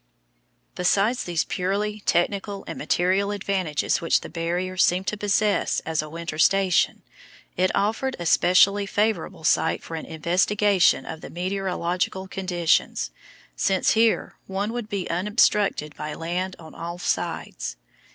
Besides these purely technical and material advantages which the Barrier seemed to possess as a winter station, it offered a specially favourable site for an investigation of the meteorological conditions, since here one would be unobstructed by land on all sides.